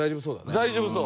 大丈夫そう。